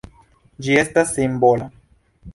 Ĝi estas simbola.